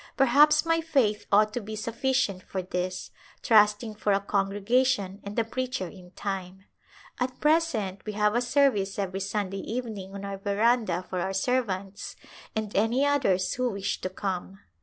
Perhaps my faith ought to be sufficient for this, trusting for a con gregation and a preacher in time. At present we have a service every Sunday evening on our veranda for our servants and any others who wish to come.